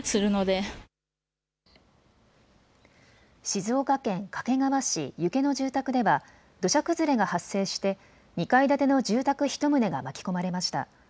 静岡県掛川市遊家の住宅では土砂崩れが発生して２階建ての住宅１棟が巻き込まれました。